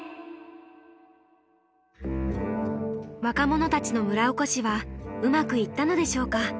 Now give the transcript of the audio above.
若者たちの村おこしはうまくいったのでしょうか？